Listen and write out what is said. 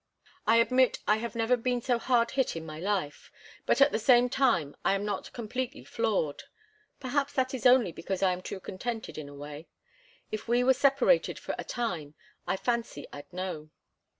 I admit I have never been so hard hit in my life; but at the same time I am not completely floored. Perhaps that is only because I am too contented in a way. If we were separated for a time, I fancy I'd know."